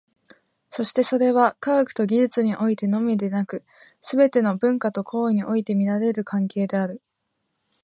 そしてそれは、科学と技術においてのみでなく、すべての文化と行為において見られる関係である。